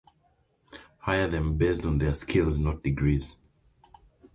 hire them based on their skills not degrees.